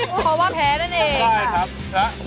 เพราะว่าแพ้นั่นเองใช่ครับ